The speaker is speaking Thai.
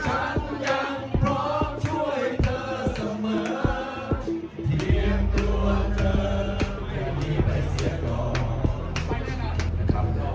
ฉันยังพร้อมช่วยเธอเสมอเทียงตัวเธออย่างนี้ไปเสียก่อน